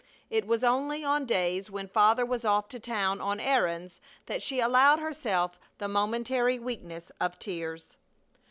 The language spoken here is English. It was only on days when Father was off to town on errands that she allowed herself the momentary weakness of tears.